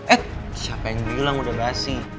eh siapa yang bilang udah basi